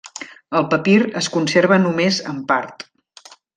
El papir es conserva només en part.